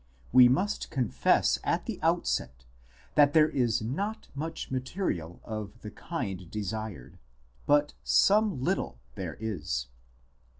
We must confess at the outset that there is not much material of the kind desired; but some little there is.